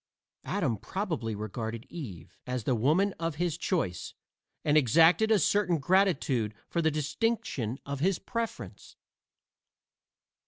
Adam probably regarded Eve as the woman of his choice, and exacted a certain gratitude for the distinction of his preference.